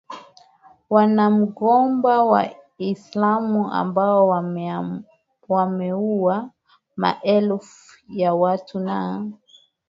wanamgambo wa kiislam ambao wameua maelfu ya watu na